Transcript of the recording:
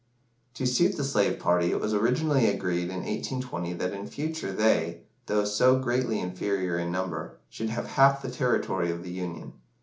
To suit the slave party, it was originally agreed, in 1820, that in future they, though so greatly inferior in number, should have half the territory of the Union.